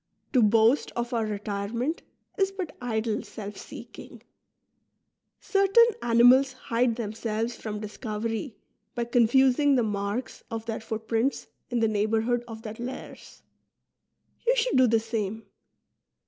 To boast of our retirement is but idle self seeking. Certain animals hide themselves from discovery by confusing the marks of their foot prints in the neighbourhood of their lairs. You should do the same.